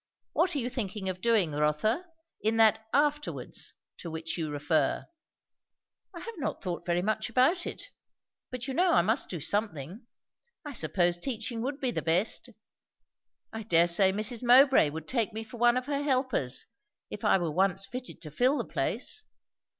What are you thinking of doing, Rotha? in that 'afterwards' to which you refer?" "I have not thought very much about it. But you know I must do something. I suppose teaching would be the best. I dare say Mrs. Mowbray would take me for one of her helpers, if I were once fitted to fill the place."